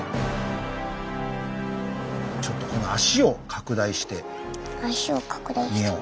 ちょっとこの脚を拡大してみよう。